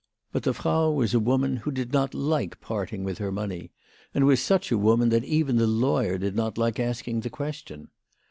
But the Frau was a woman who did not like parting with her money ; and was such a woman that even the lawyer did not like asking the question.